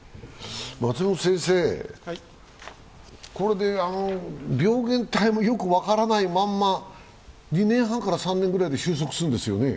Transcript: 松本先生、これで病原体もよく分からないまま、２年３年ぐらいで収束するんですよね？